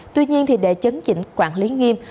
tuy nhiên thì để chấn chỉnh quản lý nghiêm